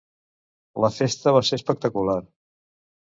La festa va ser espectacular.